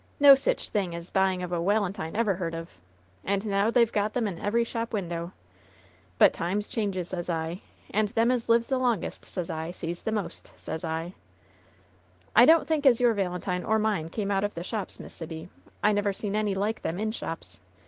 No sich thing as buying of a walentine ever heard of. And now they^ve got 'em in every shop window. But times changes, sez I, and them as lives the longest, sez I, sees the most, sez I." "I don't think as your valentine or mine came out of the shops, Miss Sibby. I never seen any like them in shops.